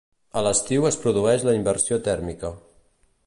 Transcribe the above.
A l'estiu es produeix la inversió tèrmica.